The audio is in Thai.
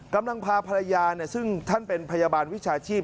กำลังพาภรรยาซึ่งท่านเป็นพยาบาลวิชาชีพ